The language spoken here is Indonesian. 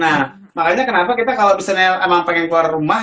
nah makanya kenapa kita kalau misalnya emang pengen keluar rumah